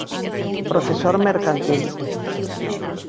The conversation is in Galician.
Profesor mercantil.